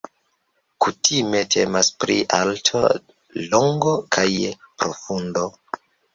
Kutime temas pri alto, longo kaj profundo.